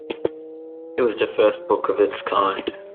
It was the first book of its kind.